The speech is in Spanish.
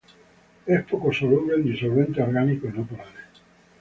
Es poco soluble en disolventes orgánicos no polares.